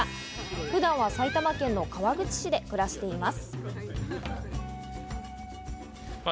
普段は埼玉県の川口市で暮らしています。